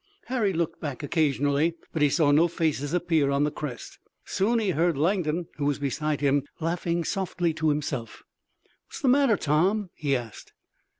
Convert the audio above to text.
Harry looked back occasionally, but he saw no faces appear on the crest. Soon he heard Langdon who was beside him laughing softly to himself. "What's the matter, Tom?" he asked.